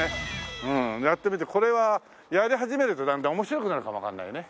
うんやってみてこれはやり始めると段々面白くなるかもわからないね。